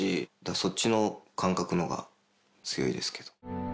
そっちの感覚の方が強いですけど。